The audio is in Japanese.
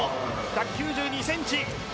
１９２ｃｍ。